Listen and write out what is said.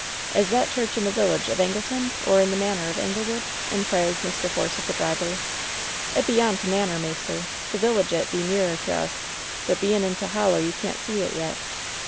"Is that church in the village of Angleton or in the manor of Anglewood ?" inquired Mr. Force of the driver, "It be on t^ manor, maister. The village it be nearer t' us, but being in t' hollow you can^t see it yet.'